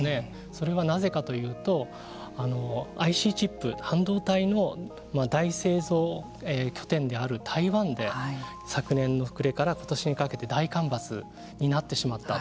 それはなぜかというとＩＣチップ、半導体の大製造拠点である台湾で昨年の暮れからことしにかけて大干ばつになってしまった。